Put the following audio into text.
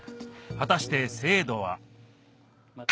果たして精度は？